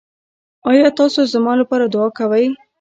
ایا تاسو زما لپاره دعا کوئ؟